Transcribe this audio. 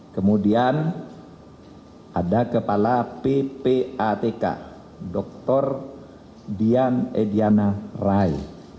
kemudian ada kepala ppatk dr dian ediana rai